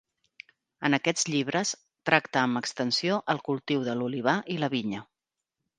En aquests llibres tracta amb extensió el cultiu de l'olivar i la vinya.